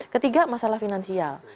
ketiga masalah finansial